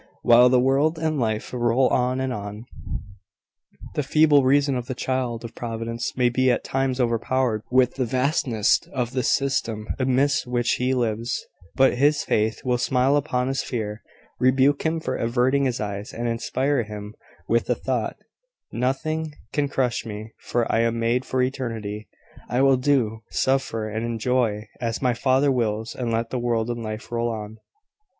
While the world and life roll on and on, the feeble reason of the child of Providence may be at times overpowered with the vastness of the system amidst which he lives; but his faith will smile upon his fear, rebuke him for averting his eyes, and inspire him with the thought, "Nothing can crush me, for I am made for eternity. I will do, suffer and enjoy, as my Father wills and let the world and life roll on!"